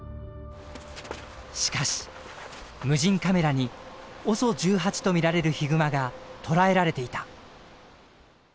しかし無人カメラにＯＳＯ１８と見られるヒグマが捉えられていた。